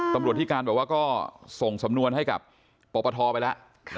ตำรวจที่การบอกว่าก็ส่งสำนวนให้กับปปทไปแล้ว